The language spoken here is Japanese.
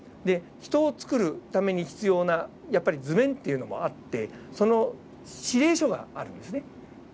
ヒトを作るために必要なやっぱり図面っていうのもあってその指令書があるんですね。